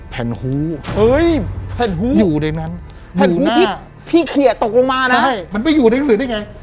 แผ่นฮู้อยู่ในนั้นอยู่หน้าใช่มันไม่อยู่ในหนังสือได้ไง